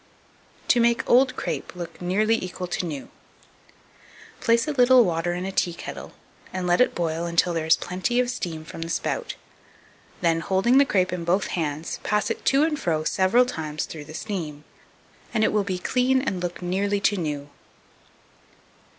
To make old Crape look nearly equal to new. 2277. Place a little water in a teakettle, and let it boil until there is plenty of steam from the spout; then, holding the crape in both hands, pass it to and fro several times through the steam, and it will to clean and look nearly equal to new.